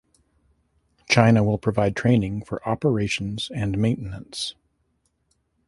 China will provide training for operations and maintenance.